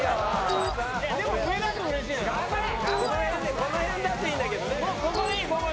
この辺だといいんだけどね。